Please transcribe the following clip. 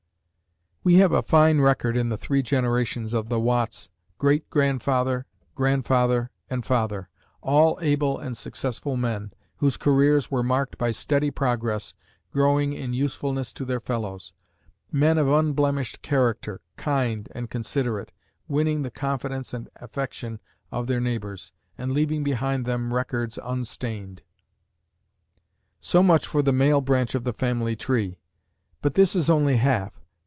We have a fine record in the three generations of the Watts, great grandfather, grandfather and father, all able and successful men, whose careers were marked by steady progress, growing in usefulness to their fellows; men of unblemished character, kind and considerate, winning the confidence and affection of their neighbors, and leaving behind them records unstained. So much for the male branch of the family tree, but this is only half.